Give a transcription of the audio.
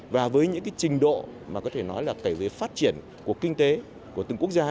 và với những cái trình độ mà có thể nói là kể về phát triển của kinh tế của từng quốc gia